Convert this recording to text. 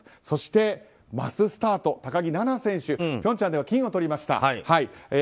そして、マススタート高木菜那選手平昌では金をとりました。